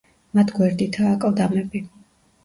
მათ გვერდითაა აკლდამები.